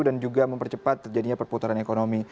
dan juga mempercepat terjadinya perputaran ekonomi